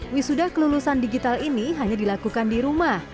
wisuda kelulusan digital ini hanya dilakukan di rumah